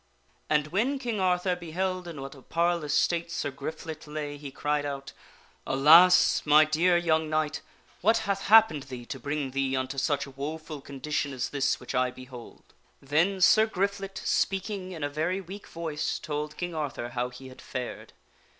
And when King Arthur beheld in what a parlous state Sir Griflet lay he cried out, " Alas ! my dear young knight, what hath happened thee to bring thee unto such a woful condition as this which I behold?" Then Sir Griflet, speaking in a very weak voice, told King Arthur how he had fared.